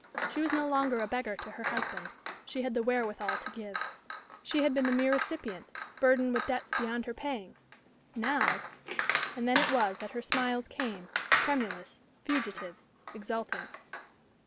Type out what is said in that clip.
She was no longer a beggar to her husband; she had the wherewithal to give. She had been the mere recipient, burdened with debts beyond her paying; now And then it was that her smiles came tremluous, fugitive, exultant.